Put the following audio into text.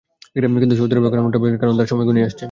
কিন্তু Saudi Arab এখন এমনটাই ভাবছে, কারণ তার সময় ঘনিয়ে আসছে।